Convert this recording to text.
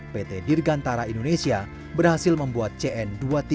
pt dirgantara indonesia berhasil membuat cn dua ratus tiga puluh